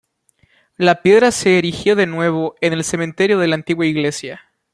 La piedra se erigió de nuevo en el cementerio de la antigua iglesia.